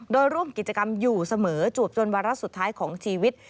โดยร่วมกิจกรรมอยู่เสมอจวบจนวาระสุดท้ายของชีวิต